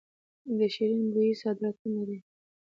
د شیرین بویې صادرات څومره دي؟